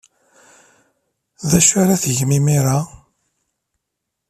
D acu ara tgemt imir-a?